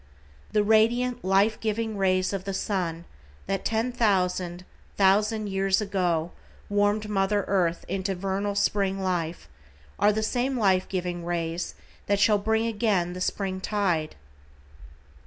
The radiant, life giving rays of the sun that ten thousand, thousand years ago warmed mother earth into vernal spring life, are the same life giving rays that shall bring again the spring tide.